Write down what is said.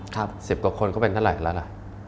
สิบกว่าคนก็เป็นเท่าไหร่แล้วนะ